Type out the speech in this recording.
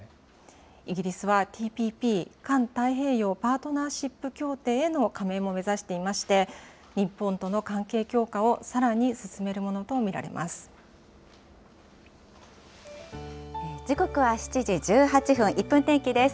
イギリスは、ＴＰＰ・環太平洋パートナーシップ協定への加盟も目指していまして、日本との関係強化をさらに進めると見られます。